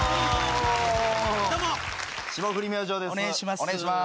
お願いします。